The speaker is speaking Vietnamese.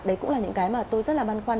đấy cũng là những cái mà tôi rất là băn khoăn